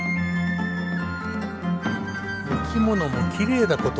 お着物もきれいだこと。